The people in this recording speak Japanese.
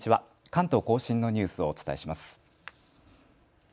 関東甲信のニュースをお伝えします。